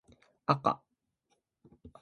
あか